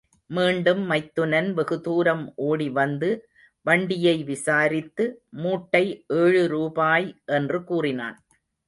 மீண்டும் மைத்துனன் வெகுதூரம் ஓடிவந்து வண்டியை விசாரித்து, மூட்டை ஏழு ரூபாய் என்று கூறினான்.